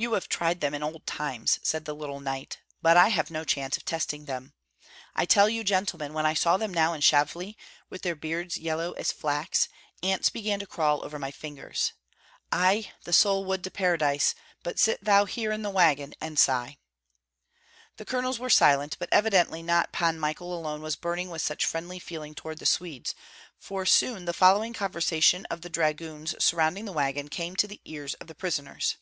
"You have tried them in old times," said the little knight, "but I have no chance of testing them. I tell you, gentlemen, when I saw them now in Shavli, with their beards yellow as flax, ants began to crawl over my fingers. Ei, the soul would to paradise; but sit thou here in the wagon, and sigh." The colonels were silent; but evidently not Pan Michael alone was burning with such friendly feeling toward the Swedes, for soon the following conversation of the dragoons surrounding the wagon came to the ears of the prisoners.